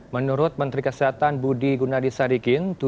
menurut menteri kesehatan budi gunadisadikin